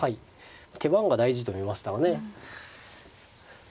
手番が大事と見ましたね。